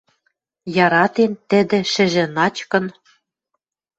Яратен тӹдӹ шӹжӹ начкын